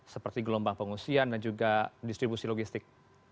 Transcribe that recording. seperti gelombang pengusian dan juga distribusi logistik